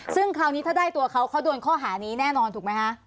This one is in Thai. ซึ่งคราวนี้ถ้าได้ตัวเขาเขาโดนข้อหานี้แน่นอนถูกไหมคะ